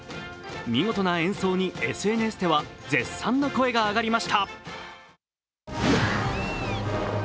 見事な演奏にＳＮＳでは絶賛の声が上がりました。